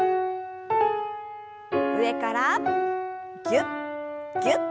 上からぎゅっぎゅっと。